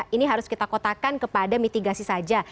ini harus kita kotakan kepada mitigasi saja